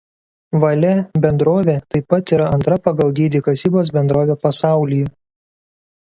Vale bendrovė taip pat yra antra pagal dydį kasybos bendrovė pasaulyje.